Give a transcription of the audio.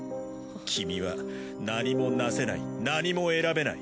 君は何も成せない何も選べない。